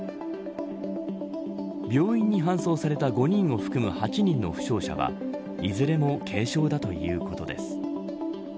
病院に搬送された５人を含む８人の負傷者はいずれも軽傷だということです。